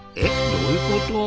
どういうこと？